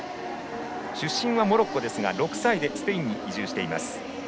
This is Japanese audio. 出身はモロッコですが６歳でスペインに移住。